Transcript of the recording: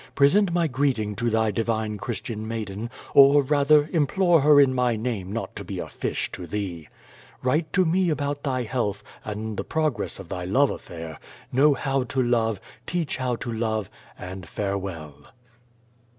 Present my greeting to tliy divine Christian maiden, or, rather, implore her in my name not to be a fish to thee. Write to me about thy health and the progress of thy love affair^ know how to love^ teach how to love^ and farewell.